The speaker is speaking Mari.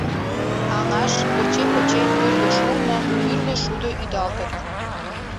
Аҥаш поче-поче тӱрлӧ шурно, тӱрлӧ шудо ӱдалтыт.